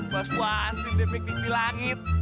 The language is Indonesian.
mas wah asli dpk di langit